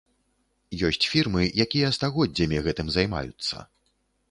Ёсць фірмы, якія стагоддзямі гэтым займаюцца.